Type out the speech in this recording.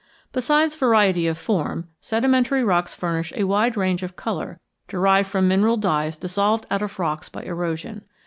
Besides variety of form, sedimentary rocks furnish a wide range of color derived from mineral dyes dissolved out of rocks by erosion.